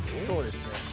そうですね。